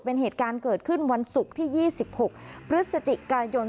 เป็นเหตุการณ์เกิดขึ้นวันศุกร์ที่๒๖พฤศจิกายน